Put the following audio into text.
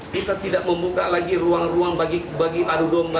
kita tidak membuka lagi ruang ruang bagi adu domba